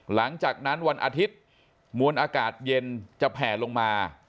หลังจากนั้นวันอาทิตย์มวลอากาศเย็นจะแผ่ลงมา